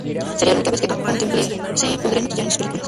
Sería la única vez que Temple se pondría maquillaje en sus películas.